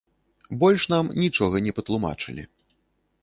Больш нам нічога не патлумачылі.